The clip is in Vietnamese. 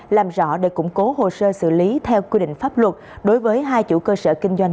làm rõ để củng cố hồ sơ xử lý theo quy định pháp luật đối với hai chủ cơ sở kinh doanh